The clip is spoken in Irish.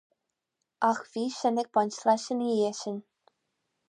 Ach bhí sin ag baint leis ina dhiaidh sin.